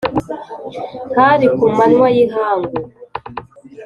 Hari ku manywa y'ihangu